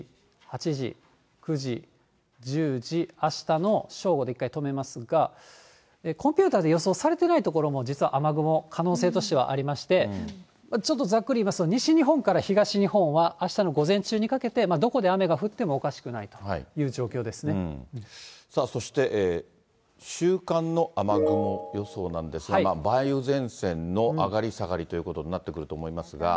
７時、８時、９時、１０時、あしたの正午で一回止めますが、コンピューターで予想されていない所も、実は雨雲、可能性としてはありまして、ちょっとざっくり言いますと西日本から東日本は、あしたの午前中にかけてどこで雨が降ってもおかしくないという状さあ、そして週間の雨雲予想なんですが、梅雨前線の上がり下がりということになってくると思いますが。